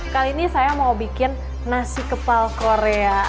kali ini saya mau bikin nasi kepal korea